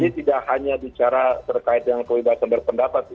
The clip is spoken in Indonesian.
jadi tidak hanya bicara terkait dengan kebebasan berpendapat ya